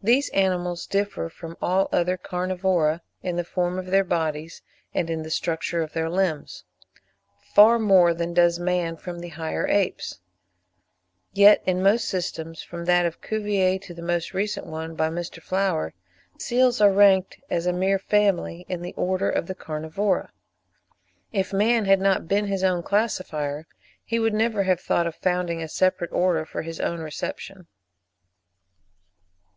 These animals differ from all other Carnivora in the form of their bodies and in the structure of their limbs, far more than does man from the higher apes; yet in most systems, from that of Cuvier to the most recent one by Mr. Flower (4. 'Proceedings Zoological Society,' 1863, p. 4.), seals are ranked as a mere family in the Order of the Carnivora. If man had not been his own classifier, he would never have thought of founding a separate order for his own reception.